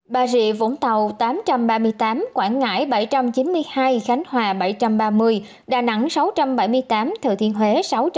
bà rịa vũng tàu tám trăm ba mươi tám quảng ngãi bảy trăm chín mươi hai khánh hòa bảy trăm ba mươi đà nẵng sáu trăm bảy mươi tám thừa thiên huế sáu trăm ba mươi